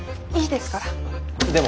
でも。